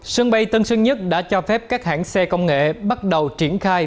sân bay tân sơn nhất đã cho phép các hãng xe công nghệ bắt đầu triển khai